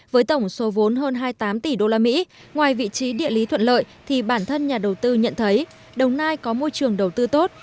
với tổng số vốn hơn hai mươi tám tỷ usd ngoài vị trí địa lý thuận lợi thì bản thân nhà đầu tư nhận thấy đồng nai có môi trường đầu tư tốt